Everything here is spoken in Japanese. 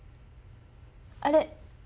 あれ？